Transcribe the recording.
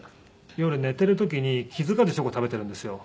夜寝てる時に気付かずチョコ食べてるんですよ。